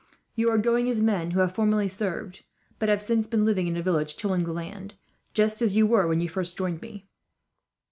You are going as men who have formerly served; but have since been living in a village, tilling the land, just as you were when you first joined me."